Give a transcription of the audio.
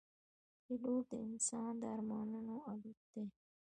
پیلوټ د انسان د ارمانونو الوت دی.